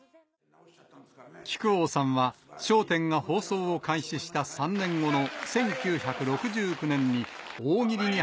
木久扇さんは『笑点』が放送を開始した３年後の。